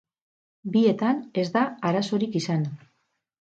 Bietan ez da arazorik izan.